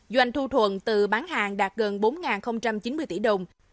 doanh thu thuận từ bán hàng đạt gần bốn chín mươi tỷ đồng